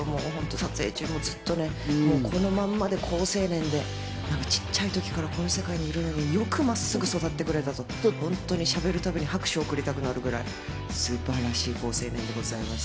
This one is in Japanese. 撮影中もずっとね、このままで好青年で、何か小っちゃい時からこの世界にいるのに、よくまっすぐに育ってくれたとしゃべるたびに拍手を送りたくなるくらいスーパー好青年でございました。